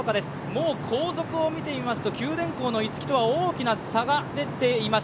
もう後続を見てみますと九電工の逸木とは大きな差ができています。